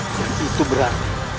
dan itu berarti